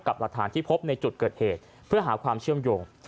หลักฐานที่พบในจุดเกิดเหตุเพื่อหาความเชื่อมโยง